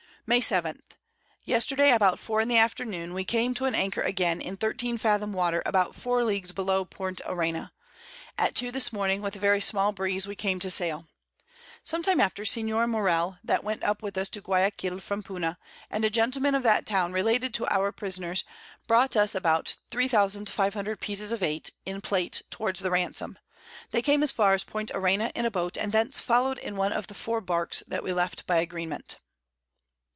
May 7. Yesterday, about 4 in the Afternoon, we came to an Anchor again, in 13 Fathom Water, about 4 Leagues below Point Arena. At 2 this Morning, with a very small Breeze, we came to sail: Sometime after Senior Morell, that went with us up to Guiaquil from Puna, and a Gentleman of that Town related to our Prisoners, brought us about 3500 Pieces of 8, in Plate, towards the Ransom: they came as far as Point Arena in a Boat, and thence follow'd in one of the 4 Barks that we left by Agreement.